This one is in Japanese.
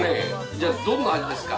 じゃあどんな味ですか